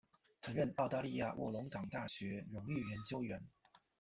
曾任澳大利亚卧龙岗大学荣誉研究员。